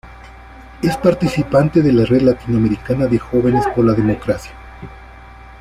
Es participantes de la Red Latinoamericana de Jóvenes por la Democracia.